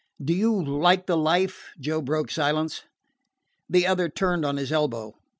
"Do you like the life?" Joe broke silence. The other turned on his elbow.